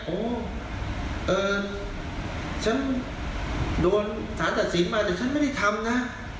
โอ้ฉันโดนสารตัดสินมาแต่ฉันไม่ได้ทำนะ